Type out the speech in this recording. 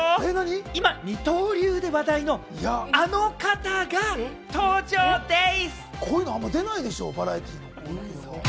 今、二刀流で話題のあの方が登場でぃす！